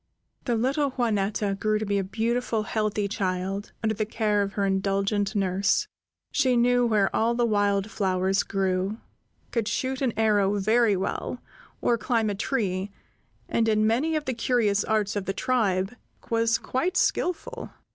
The little Juanetta grew to be a beautiful, healthy child, under the care of her indulgent nurse. She knew where all the wild flowers grew, could shoot an arrow very well, or climb a tree, and, in many of the curious arts of the tribe, was quite skillful.